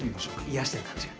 癒やしてる感じが。